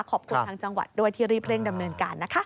ขอบคุณทางจังหวัดด้วยที่รีบเร่งดำเนินการนะคะ